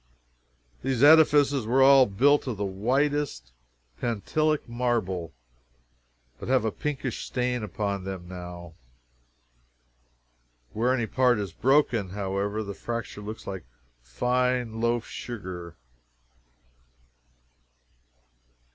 ] These edifices were all built of the whitest Pentelic marble, but have a pinkish stain upon them now. Where any part is broken, however, the fracture looks like fine loaf sugar.